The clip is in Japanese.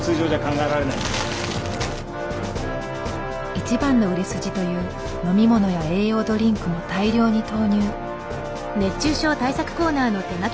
一番の売れ筋という飲み物や栄養ドリンクも大量に投入。